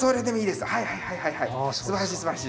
すばらしい。